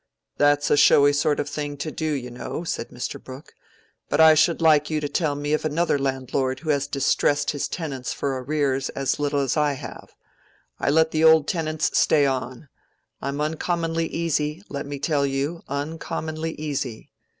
"That's a showy sort of thing to do, you know," said Mr. Brooke. "But I should like you to tell me of another landlord who has distressed his tenants for arrears as little as I have. I let the old tenants stay on. I'm uncommonly easy, let me tell you, uncommonly easy.